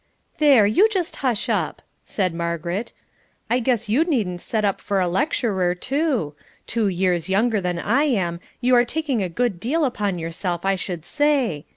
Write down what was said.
"There! you just hush up," said Margaret. "I guess you needn't set up for a lecturer, too; two years younger than I am, you are taking a good deal upon yourself, I should say.